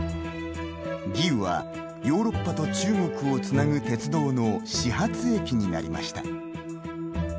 義烏はヨーロッパと中国をつなぐ鉄道の始発駅になりました。